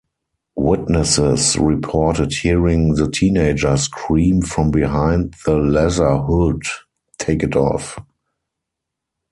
Witnesses reported hearing the teenager scream from behind the leather hood, Take it off!